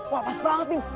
wah pas banget bim